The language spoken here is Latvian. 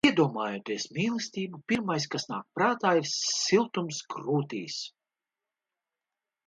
Iedomājoties mīlestību, pirmais, kas nāk prātā ir siltums krūtīs.